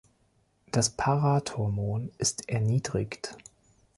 Das Parathormon ist erniedrigt.